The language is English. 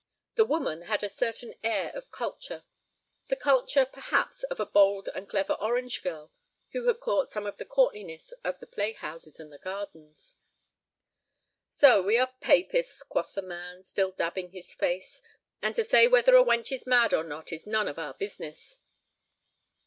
The woman had a certain air of culture—the culture, perhaps, of a bold and clever orange girl who had caught some of the courtliness of the playhouses and the gardens. "So we are papists," quoth the man, still dabbing his face, "and to say whether a wench is mad or not is none of our business."